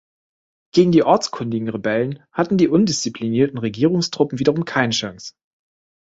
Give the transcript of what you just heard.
Gegen die ortskundigen Rebellen hatten die undisziplinierten Regierungstruppen wiederum keine Chance.